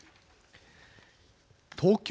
東京